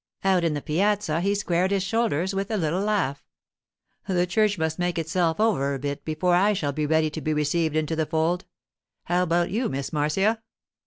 Out in the piazza he squared his shoulders with a little laugh. 'The church must make itself over a bit before I shall be ready to be received into the fold. How about you, Miss Marcia?